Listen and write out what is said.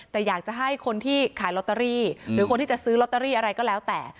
แต่อยากจะให้คนที่ขายลอตเตอรี่หรือคนที่จะซื้อลอตเตอรี่อะไรก็แล้วแต่